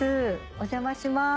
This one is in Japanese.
お邪魔します。